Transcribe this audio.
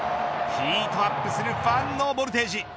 ヒートアップするファンのボルテージ。